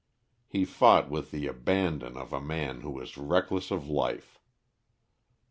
He fought with the abandon of a man who is reckless of life.